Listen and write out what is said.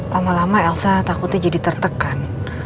lama lama elsa takutnya jadi tertekan